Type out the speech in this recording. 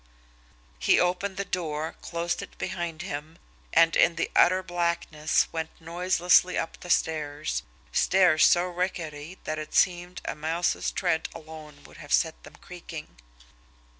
He opened the door, closed it behind him, and in the utter blackness went noiselessly up the stairs stairs so rickety that it seemed a mouse's tread alone would have set them creaking.